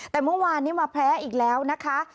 แต่เมื่อวานนี้มาแพ้อีกแล้วนะคะ